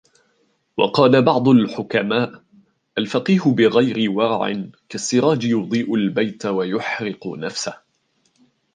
وَقَالَ بَعْضُ الْحُكَمَاءِ الْفَقِيهُ بِغَيْرِ وَرَعٍ كَالسِّرَاجِ يُضِيءُ الْبَيْتَ وَيُحْرِقُ نَفْسَهُ